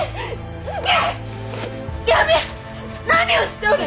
何をしておる！